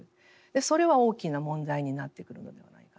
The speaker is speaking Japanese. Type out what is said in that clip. それは大きな問題になってくるのではないかなと。